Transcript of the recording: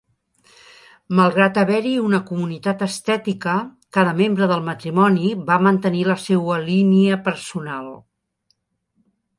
Malgrat haver-hi una comunitat estètica, cada membre del matrimoni va mantenir la seua línia personal.